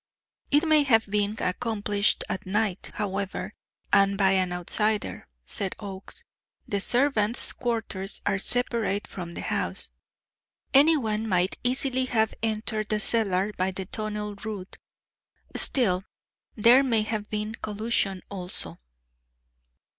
"It may have been accomplished at night, however, and by an outsider," said Oakes. "The servants' quarters are separate from the house. Anyone might easily have entered the cellar by the tunnel route. Still, there may have been collusion also."